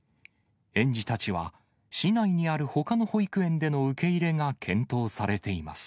園児たちは、市内にあるほかの保育園での受け入れが検討されています。